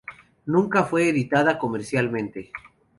Nunca fue editada comercialmente.